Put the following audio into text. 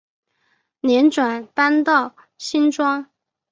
辗转搬到新庄